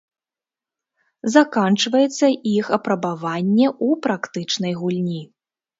Заканчваецца іх апрабаванне ў практычнай гульні.